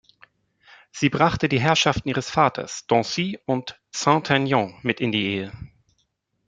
Sie brachte die Herrschaften ihres Vaters, Donzy und Saint-Aignan mit in die Ehe.